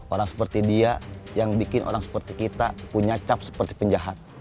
orang seperti dia yang bikin orang seperti kita punya cap seperti penjahat